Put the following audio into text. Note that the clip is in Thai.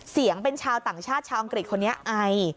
เสียงเป็นชาวต่างชาติชาวอังกฤษคนนี้ไอ